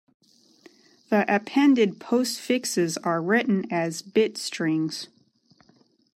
The appended postfixes are written as bit strings.